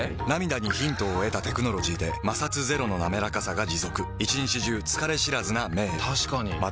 涙にヒントを得たテクノロジーで摩擦ゼロのなめらかさが持続一日中疲れ知らずな目へ確かに。